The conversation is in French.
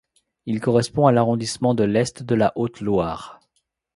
Il correspond à l'arrondissement de l'est de la Haute-Loire.